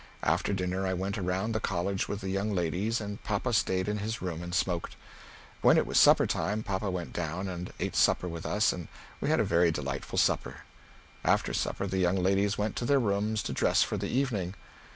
After dinner I went around the College with the young ladies and papa stayed in his room and smoked. When it was supper time papa went down and ate supper with us and we had a very delightful supper. After supper the young ladies went to their rooms to dress for the evening.